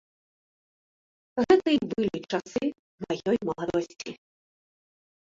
Гэта і былі часы маёй маладосці.